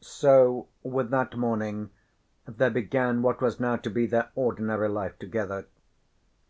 So with that morning there began what was now to be their ordinary life together.